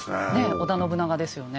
織田信長ですよね。